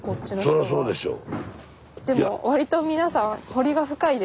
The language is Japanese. そらそうでしょう。